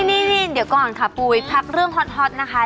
นี่เดี๋ยวก่อนครับปุ๊บวิทย์พักเรื่องฮอตนะคะ